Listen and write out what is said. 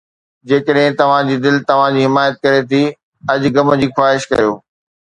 جيڪڏهن توهان جي دل توهان جي حمايت ڪري ٿي، اڄ غم جي خواهش ڪريو